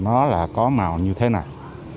nó là có màu như thế này